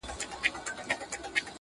خلک را ویښ کړو